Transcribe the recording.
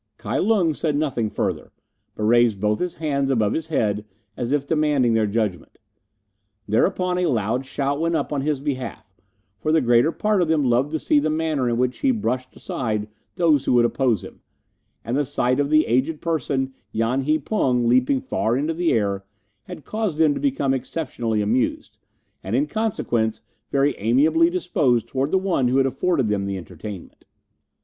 Kai Lung said nothing further, but raised both his hands above his head, as if demanding their judgment. Thereupon a loud shout went up on his behalf, for the greater part of them loved to see the manner in which he brushed aside those who would oppose him; and the sight of the aged person Yan hi Pung leaping far into the air had caused them to become exceptionally amused, and, in consequence, very amiably disposed towards the one who had afforded them the entertainment.